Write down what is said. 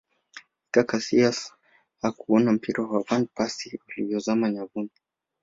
iker casilas hakuuona mpira wa van persie ulivyozama nyavuni